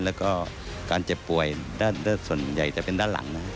แล้วก็การเจ็บป่วยส่วนใหญ่จะเป็นด้านหลังนะครับ